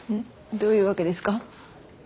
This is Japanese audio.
どういうわけですか？